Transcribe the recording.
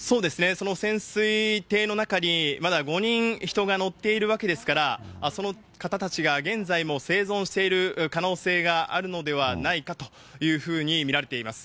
その潜水艇の中に、まだ５人、人が乗っているわけですから、その方たちが現在も生存している可能性があるのではないかというふうに見られています。